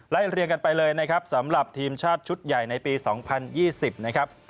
เรียงกันไปเลยนะครับสำหรับทีมชาติชุดใหญ่ในปี๒๐๒๐นะครับ